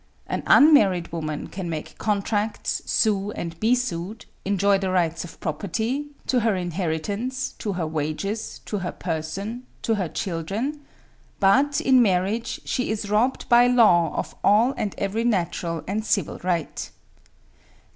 An unmarried woman can make contracts, sue and be sued, enjoy the rights of property, to her inheritance to her wages to her person to her children; but, in marriage, she is robbed by law of all and every natural and civil right.